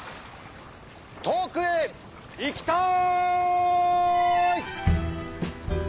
遠くへ行きたい！